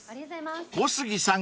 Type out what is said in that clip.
小杉さん